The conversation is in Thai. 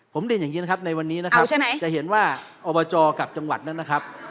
ผมเรียนอย่างนี้นะครับในวันนี้นะครับจะเห็นว่าอบจกับจังหวัดนั้นนะครับ